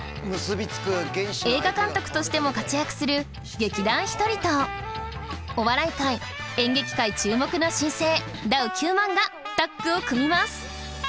映画監督としても活躍する劇団ひとりとお笑い界演劇界注目の新星ダウ９００００がタッグを組みます！